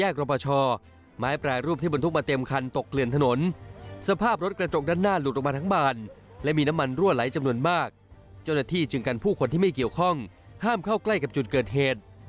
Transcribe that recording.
ใกล้กับจุดเกิดเหตุ